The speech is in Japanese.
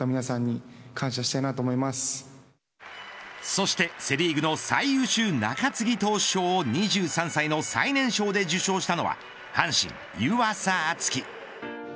そしてセ・リーグの最優秀中継ぎ投手賞を２３歳の最年少で受賞したのは阪神、湯浅京己。